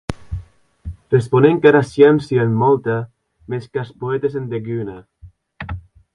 Responec qu'ara sciéncia en molta; mès qu'as poètes en deguna.